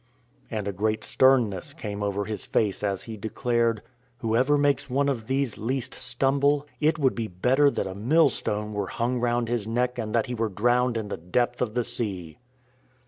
And a great sternness came over His face as He declared :" Whoever makes one of these least stumble, it would be better that a millstone were hung round his neck and that he were drowned in the depth of the sea."